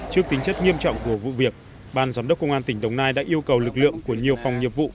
trước tính chất nghiêm trọng của vụ việc ban giám đốc công an tỉnh đồng nai đã yêu cầu lực lượng của nhiều phòng nghiệp vụ